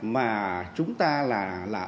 mà chúng ta là